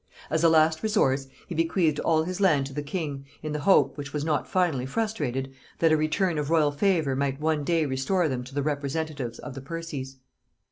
As a last resource, he bequeathed all his land to the king, in the hope, which was not finally frustrated, that a return of royal favor might one day restore them to the representatives of the Percies.